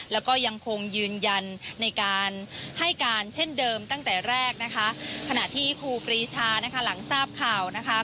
แล้วก็ยังคงยืนยันในการให้การเช่นเดิมตั้งแต่แรกนะคะขณะที่ครูปรีชานะคะหลังทราบข่าวนะคะ